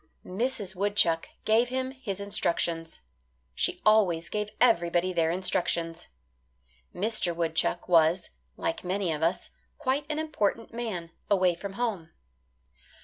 Mrs. Woodchuck gave him his instructions. She always gave everybody their instructions. Mr. Woodchuck was, like many of us, quite an important man, away from home.